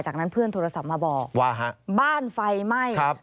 จากนั้นเพื่อนโทรศัพท์มาบอกว่าบ้านไฟไหม้